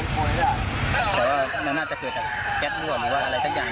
แต่ว่าน่าจะเกิดแก๊สรวดหรืออะไรทั้งอย่าง